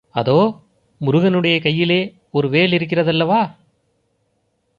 அதோ முருகனுடைய கையிலே ஒரு வேலிருக்கிறதல்லவா?